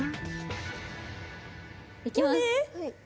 いきます。